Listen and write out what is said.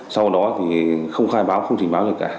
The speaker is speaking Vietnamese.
sau đó thì không khai báo không trình báo gì cả